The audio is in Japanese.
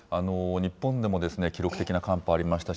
日本でも記録的な寒波ありましたし、